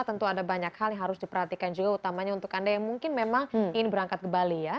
tentu ada banyak hal yang harus diperhatikan juga utamanya untuk anda yang mungkin memang ingin berangkat ke bali ya